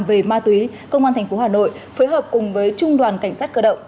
về ma túy công an tp hà nội phối hợp cùng với trung đoàn cảnh sát cơ động